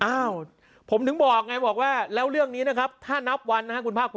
อ้าวผมถึงบอกไงบอกว่าแล้วเรื่องนี้นะครับถ้านับวันนะครับคุณภาคภูมิ